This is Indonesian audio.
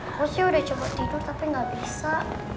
aku sih udah coba tidur tapi gak bisa